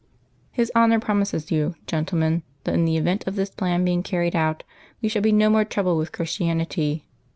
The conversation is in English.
"His Honour promises you, gentlemen, that in the event of this plan being carried out, we shall be no more troubled with Christianity.